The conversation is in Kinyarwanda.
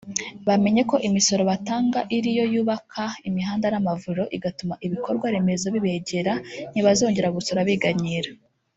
Bamenye ko imisoro batanga iriyo yubaka imihanda n’amavuriro igatuma ibikorwa remezo bibegera nti bazongera gusora biganyira”